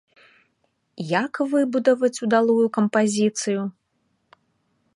Як выбудаваць удалую кампазіцыю?